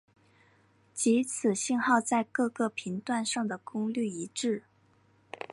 即此信号在各个频段上的功率一致。